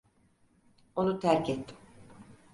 Onu terk ettim.